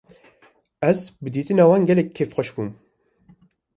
Ez bi dîtina wan gelekî kêfxweş bûm.